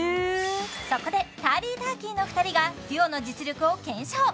そこでターリーターキーの２人がＤＵＯの実力を検証